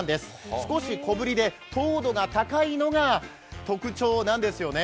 少し小ぶりで糖度が高いのが特徴なんですよね。